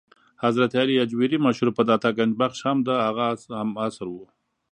حضرت علي هجویري مشهور په داتا ګنج بخش هم د هغه هم عصر و.